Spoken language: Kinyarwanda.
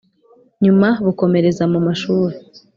Nyuma bukomereza mu mashuri